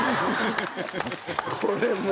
これもう。